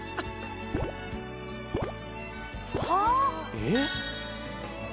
えっ？